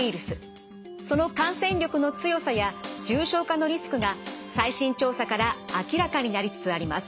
その感染力の強さや重症化のリスクが最新調査から明らかになりつつあります。